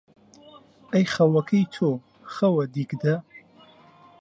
ئەی خەوەکەی تۆ خەوە دیگتە،